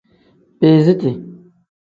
Biiziti.